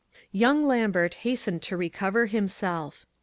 Young Lambert hastened to recover him self.